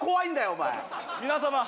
お前皆様